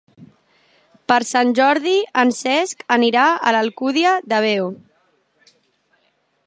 Per Sant Jordi en Cesc anirà a l'Alcúdia de Veo.